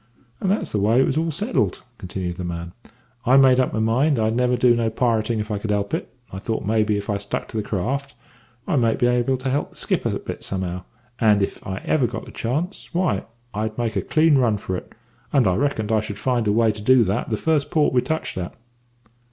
"And that's the way it was all settled," continued the man. "I made up my mind I'd never do no pirating if I could help it; and I thought maybe if I stuck to the craft, I might be able to help the skipper a bit somehow, and if ever I got a chance, why, I'd make a clean run for it, and I reckoned I should find a way to do that the first port we touched at.